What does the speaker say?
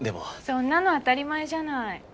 そんなの当たり前じゃない。